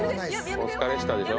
お疲れっしたでしょ？